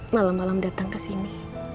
malam malam datang kesini